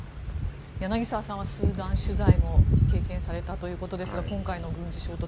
柳澤さんはスーダン取材も経験されたということですが今回の軍事衝突